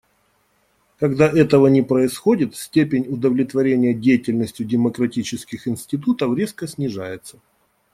Когда этого не происходит, степень удовлетворения деятельностью демократических институтов резко снижается.